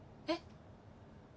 えっ？